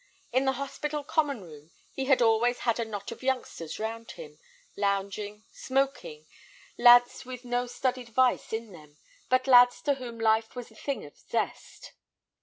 In the hospital "common room" he had always had a knot of youngsters round him, lounging, smoking, lads with no studied vice in them, but lads to whom life was a thing of zest.